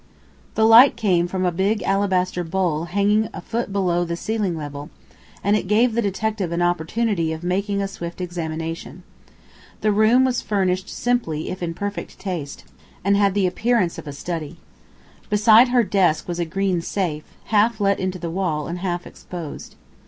The light came from a big alabaster bowl hanging a foot below the ceiling level, and it gave the detective an opportunity of making a swift examination. The room was furnished simply if in perfect taste, and had the appearance of a study. Beside her desk was a green safe, half let into the wall and half exposed.